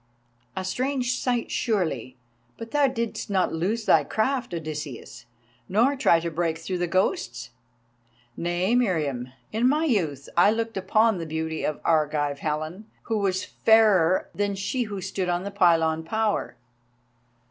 "A strange sight, surely. But thou didst not lose thy craft, Odysseus, nor try to break through the ghosts?" "Nay, Meriamun. In my youth I looked upon the beauty of Argive Helen, who was fairer than she who stood upon the pylon tower.